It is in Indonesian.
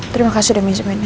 terima kasih udah minjeminnya